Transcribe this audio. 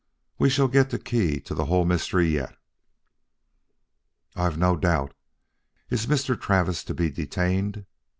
We shall get the key to the whole mystery yet." "I've no doubt. Is Mr. Travis to be detained?"